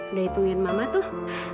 udah hitungin mama tuh